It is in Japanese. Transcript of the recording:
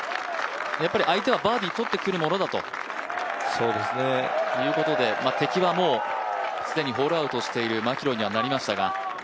やっぱり相手はバーディー取ってくるものだということで敵はもう既にホールアウトしているマキロイにはなりましたが。